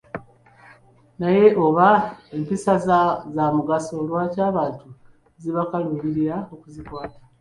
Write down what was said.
Naye oba ng'empisa za mugaso lwaki abantu zibakaluubirira okuzikwata?